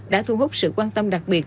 đã thu hút sự quan tâm đặc biệt